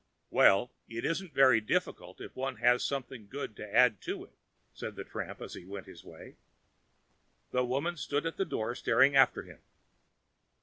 "Well, it isn't very difficult if one only has something good to add to it," said the tramp as he went his way. The woman stood at the door staring after him.